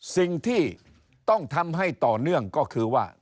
สิ่งที่ต้องทำให้ต่อเนื่องก็คือว่า